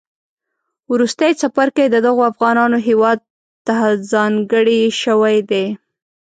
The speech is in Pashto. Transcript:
وروستی څپرکی د دغو افغانانو هیواد تهځانګړی شوی دی